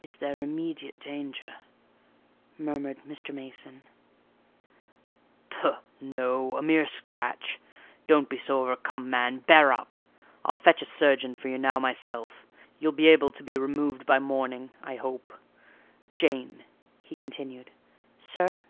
"Is there immediate danger?" murmured Mr. Mason. "Pooh! No—a mere scratch. Don't be so overcome, man: bear up! I'll fetch a surgeon for you now, myself: you'll be able to be removed by morning, I hope. Jane," he continued. "Sir?"